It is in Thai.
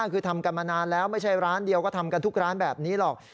คือทำกันมานานแล้วไม่ใช่ร้านเดียวก็ทำกันทุกร้านแบบนี้หรอก